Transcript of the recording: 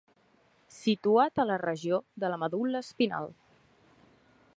Situat a la regió de la medul·la espinal.